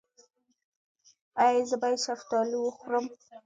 ایا زه باید شفتالو وخورم؟